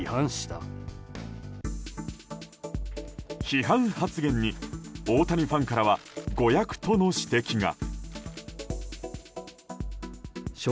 批判発言に大谷ファンからは誤訳との指摘が。